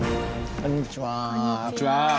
こんにちは。